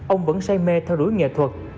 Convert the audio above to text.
ông vẫn say mê theo đuổi nghệ thuật